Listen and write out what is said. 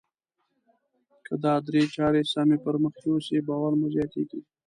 که دا درې چارې سمې پر مخ يوسئ باور مو زیاتیږي.